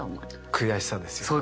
悔しさですよ。